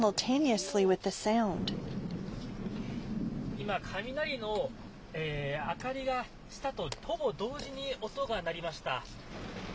今、雷の明かりがしたとほぼ同時に、音が鳴りました。